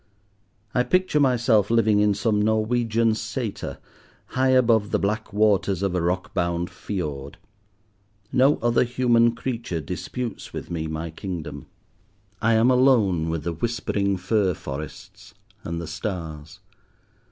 I picture myself living in some Norwegian sater, high above the black waters of a rockbound fiord. No other human creature disputes with me my kingdom. I am alone with the whispering fir forests and the stars.